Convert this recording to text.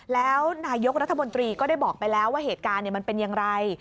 แล้วนายกรัฐมนตรีก็ได้บอกไปแล้วว่าเหตุการณ์มันเป็นอย่างไร